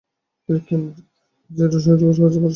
তিনি ক্যামব্রিজের ট্রিনিটি কলেজে প্রবেশ করেন।